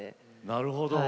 なるほど。